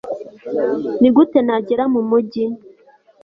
ni gute nagera mu mugi